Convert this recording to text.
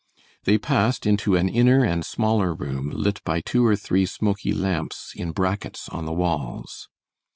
They passed into an inner and smaller room, lit by two or three smoky lamps in brackets on the walls.